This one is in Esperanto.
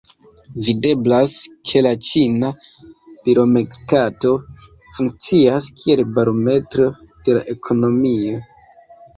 Videblas ke la ĉina bilomerkato funkcias kiel barometro de la ekonomio.